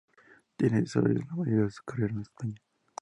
Tiene y desarrolló la mayoría de su carrera en España.